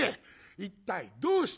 一体どうした？